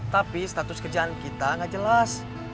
tapi status kerjaan kita gak jelas